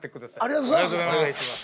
ありがとうございます。